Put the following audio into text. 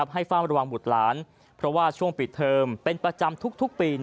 ให้ฝ้ามระหว่างหมุดล้านเพราะว่าช่วงปีเทิมเป็นประจำทุกปี